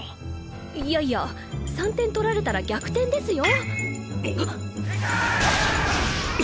いやいや３点取られたら逆転ですよ。